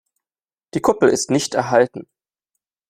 Die Kuppel ist nicht erhalten.